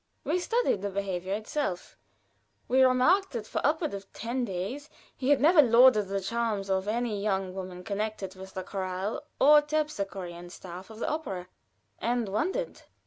We studied the behavior itself; we remarked that for upward of ten days he had never lauded the charms of any young woman connected with the choral or terpsichorean staff of the opera, and wondered.